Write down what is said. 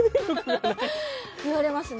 言われますね。